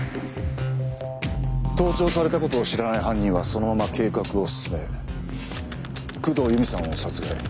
盗聴された事を知らない犯人はそのまま計画を進め工藤由美さんを殺害。